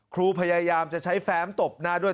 ครูพยายามจะใช้แฟ้มตบหน้าด้วย